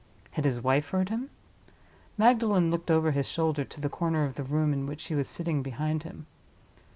Had his wife heard him? Magdalen looked over his shoulder to the corner of the room in which she was sitting behind him.